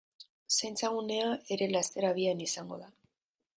Zaintza gunea ere laster abian izango da.